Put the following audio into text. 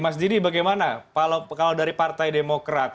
mas didi bagaimana kalau dari partai demokrat